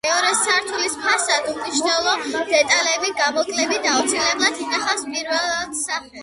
მეორე სართულის ფასადი უმნიშვნელო დეტალების გამოკლებით, უცვლელად ინახავს პირველად სახეს.